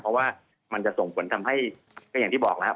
เพราะว่ามันจะส่งผลทำให้ก็อย่างที่บอกแล้วครับ